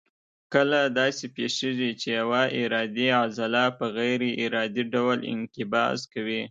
کله داسې پېښېږي چې یوه ارادي عضله په غیر ارادي ډول انقباض کوي.